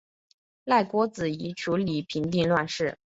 赖郭子仪处理平定乱事。